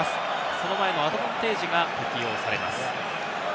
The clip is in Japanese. その前のアドバンテージが適用されます。